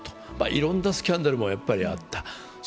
いろんなスキャンダルもあった。